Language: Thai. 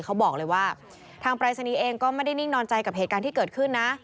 เขาบอกเลยว่าทางปรายศนีย์เองก็ไม่ได้นิ่งนอนใจกับเหตุการณ์ที่เกิดขึ้นนะ